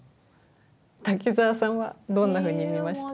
滝沢さんはどんなふうに見ました？